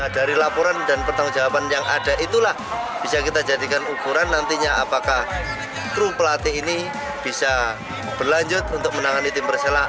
dari laporan dan pertanggung jawaban yang ada itulah bisa kita jadikan ukuran nantinya apakah kru pelatih ini bisa berlanjut untuk menangani tim persela